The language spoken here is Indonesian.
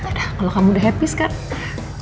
aduh kalau kamu udah happy sekarang